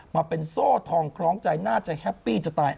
มาเป็นโซ่ทองคล้องใจน่าจะแฮปปี้จะตาย